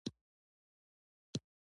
ډوډۍ یې په ځانګړي ډول قابلي ښایسته وه.